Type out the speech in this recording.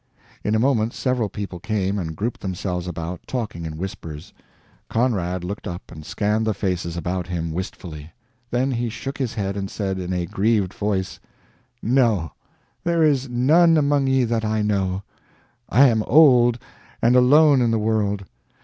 In a moment several people came, and grouped themselves about, talking in whispers. Conrad looked up and scanned the faces about him wistfully. Then he shook his head and said, in a grieved voice: "No, there is none among ye that I know. I am old and alone in the world.